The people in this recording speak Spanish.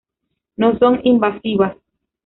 No son invasivas.